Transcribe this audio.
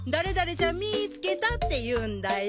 ちゃんみつけたって言うんだよ。